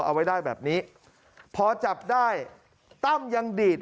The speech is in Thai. เอาไว้ได้แบบนี้พอจับได้ตั้มยังดีด